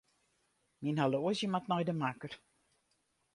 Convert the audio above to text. Myn horloazje moat nei de makker.